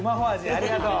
ありがとう！